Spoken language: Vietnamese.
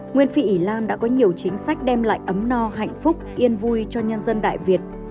nguyên phi ý lan đã có nhiều chính sách đem lại ấm no hạnh phúc yên vui cho nhân dân đại việt